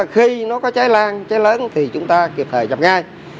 khi nó có cháy lan cháy lớn thì chúng ta kịp thời dập ngay